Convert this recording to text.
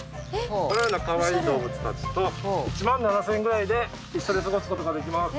このようなかわいい動物たちと１万７０００円ぐらいで一緒に過ごすことができます。